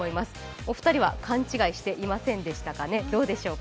お二人は勘違いしていませんでしたかね、どうでしょうか。